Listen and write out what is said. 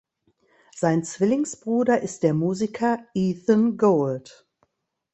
Sein Zwillingsbruder ist der Musiker Ethan Gold.